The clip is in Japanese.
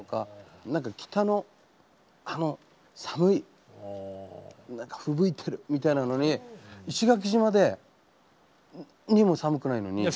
何か北のあの寒い何かふぶいてるみたいなのに石垣島で何も寒くないのに。